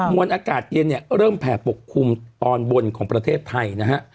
วนอากาศเย็นเนี่ยเริ่มแผ่ปกคลุมตอนบนของประเทศไทยนะฮะ